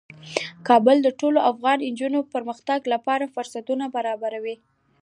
کابل د ټولو افغان نجونو د پرمختګ لپاره فرصتونه برابروي.